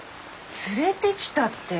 連れてきたって。